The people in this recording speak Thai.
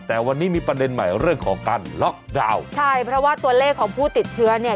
แต่วันนี้มีประเด็นใหม่เรื่องของการล็อกดาวน์ใช่เพราะว่าตัวเลขของผู้ติดเชื้อเนี่ย